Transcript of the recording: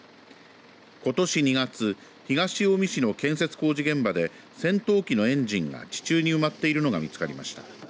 ことし２月東近江市の建設工事現場で戦闘機のエンジンが地中に埋まっているのが見つかりました。